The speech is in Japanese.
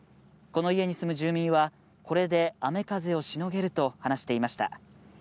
この家に住む住民はこれで雨風をしのげると話していました。